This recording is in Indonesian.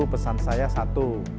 pesan saya satu